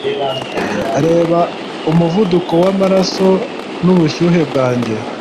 reba umuvuduko w'amaraso n'ubushyuhe bwanjye